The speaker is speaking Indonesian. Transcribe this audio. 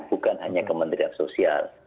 bukan hanya kementerian sosial